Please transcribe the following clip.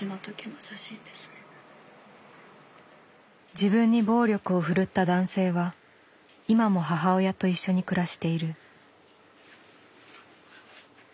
自分に暴力を振るった男性は今も母親と一緒に暮らしている。